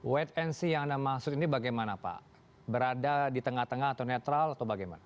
wait and see yang anda maksud ini bagaimana pak berada di tengah tengah atau netral atau bagaimana